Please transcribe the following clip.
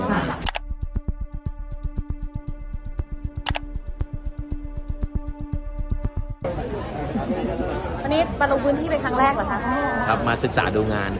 วันนี้มาลงพื้นที่ไปครั้งแรกเหรอคะคุณพ่อครับมาศึกษาดูงาน